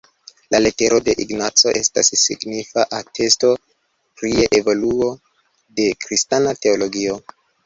La Leteroj de Ignaco estas signifa atesto pri evoluo de kristana teologio.